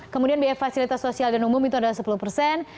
kemudian biaya fasilitas sosial dan umum itu adalah sepuluh persen